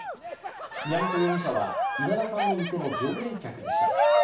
宮本容疑者は稲田さんの店の常連客でした。